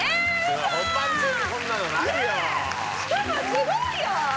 しかもすごいよ！